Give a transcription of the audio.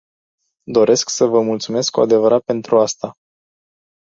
Doresc să vă mulțumesc cu adevărat pentru asta.